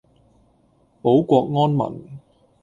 保國安民